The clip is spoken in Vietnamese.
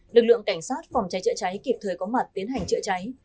lực lượng cảnh sát phòng cháy chữa cháy kịp thời có mặt tiến hành chữa cháy